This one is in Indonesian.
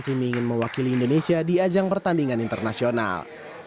simi ingin mewakili indonesia di ajang pertandingan internasional